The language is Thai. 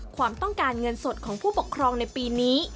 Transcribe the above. ความต้องการเงินสดของผู้ปกครองในปีนี้